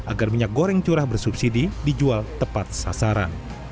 agar minyak goreng curah bersubsidi dijual tepat sasaran